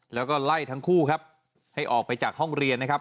แล้วก็ไล่ทั้งคู่ครับให้ออกไปจากห้องเรียนนะครับ